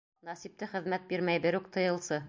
Насипты хеҙмәт бирмәй, бер ук тыйылсы.